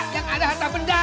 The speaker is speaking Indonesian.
yang ada harta benda